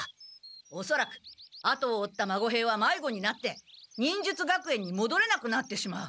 おそらく後を追った孫兵はまいごになって忍術学園にもどれなくなってしまう。